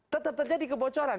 tetap terjadi kebocoran